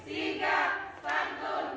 umur objektif tiga santun